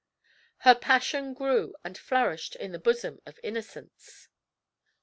Her passion grew and flourished in the bosom of innocence.